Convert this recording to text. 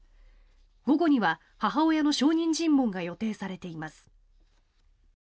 午後には母親の証人尋問が予定されています。